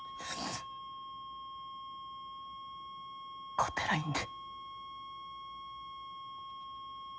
勝てないんで。